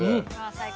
最高。